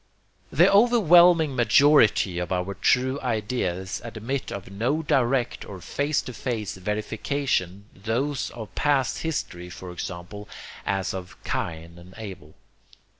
The overwhelming majority of our true ideas admit of no direct or face to face verification those of past history, for example, as of Cain and Abel.